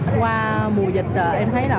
qua mùa dịch em thấy là